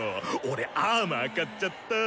俺アーマー買っちゃった。